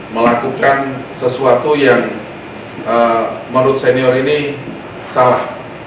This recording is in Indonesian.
melakukan sesuatu yang menurut senior ini salah